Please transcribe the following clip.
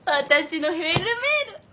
私のフェルメール！